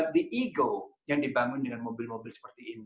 di ego yang dibangun dengan mobil mobil seperti ini